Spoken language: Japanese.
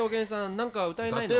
何か歌えないの？